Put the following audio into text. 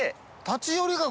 立ち寄りか？